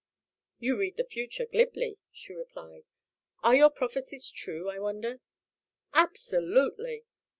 "You read the future glibly," she replied. "Are your prophecies true, I wonder?" "Absolutely.